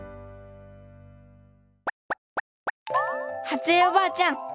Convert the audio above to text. ハツ江おばあちゃん